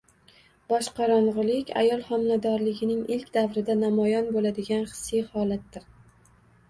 Boshqorong‘ilik ayol homiladorligining ilk davrida namoyon bo‘ladigan hissiy holatdir.